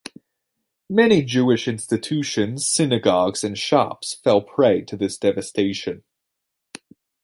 Many Jewish institutions, synagogues and shops fell prey to this devastation.